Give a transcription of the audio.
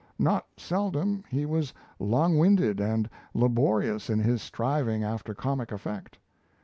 Not seldom he was long winded and laborious in his striving after comic effect.